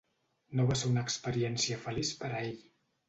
No va ser una experiència feliç per a ell.